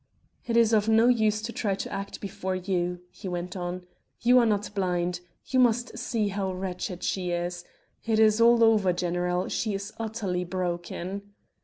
"It is of no use to try to act before you," he went on; "you are not blind you must see how wretched she is it is all over, general, she is utterly broken...."